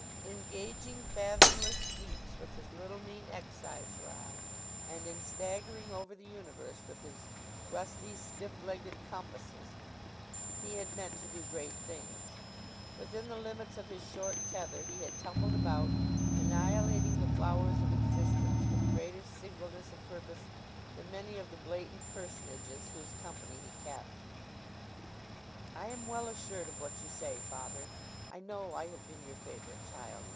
In gauging fathomless deeps with his little mean excise rod, and in staggering over the universe with his rusty stiff legged compasses, he had meant to do great things. Within the limits of his short tether he had tumbled about, annihilating the flowers of existence with greater singleness of purpose than many of the blatant personages whose company he kept. 'I am well assured of what you say, father. I know I have been your favourite child.